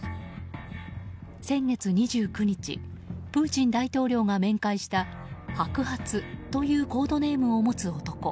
先月２９日プーチン大統領が面会した白髪というコードネームを持つ男。